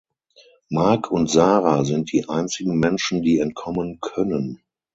Mark und Sarah sind die einzigen Menschen, die entkommen können.